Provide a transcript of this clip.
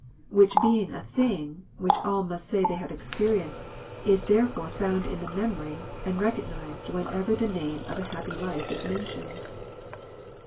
Which being a thing, which all must say they have experienced, it is therefore found in the memory, and recognized whenever the name of a happy life is mentioned.